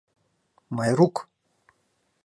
Майрук!